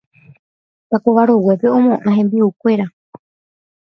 Pakova roguépe omoʼã hembiʼukuéra.